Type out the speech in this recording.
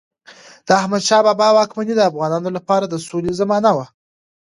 د احمدشاه بابا واکمني د افغانانو لپاره د سولې زمانه وه.